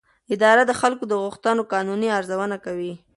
اداره د خلکو د غوښتنو قانوني ارزونه کوي.